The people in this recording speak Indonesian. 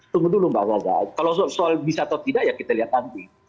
tunggu dulu mbak gaza kalau soal bisa atau tidak ya kita lihat nanti